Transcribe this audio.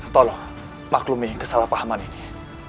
tolong maklumi kesalahpahaman ini